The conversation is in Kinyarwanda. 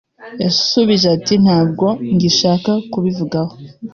yasubije ati “Ntabwo ngishaka kubivugaho